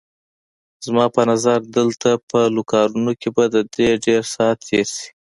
زما په نظر دلته په لوکارنو کې به دې ډېر ساعت تېر شي.